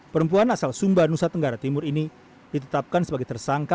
perempuan asal sumba nusa tenggara timur ini ditetapkan sebagai tersangka